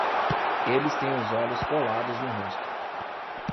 Eles têm os olhos colados no rosto.